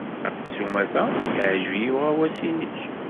S umata, yeɛjeb-iyi uɣawas-nnek.